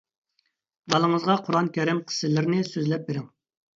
بالىڭىزغا قۇرئان كەرىم قىسسىلىرىنى سۆزلەپ بېرىڭ.